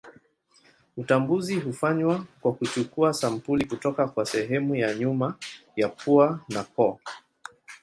Utambuzi hufanywa kwa kuchukua sampuli kutoka kwa sehemu ya nyuma ya pua na koo.